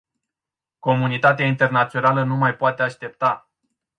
Comunitatea internațională nu mai poate aștepta.